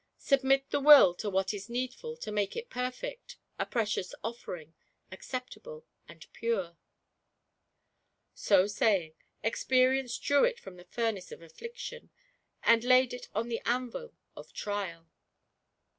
Submit the Will to what is needful to make it perfect^ a precious offering, acceptable and pure." So saying. Experience drew it from the furnace of Affliction, and laid it on the anvil of Trial.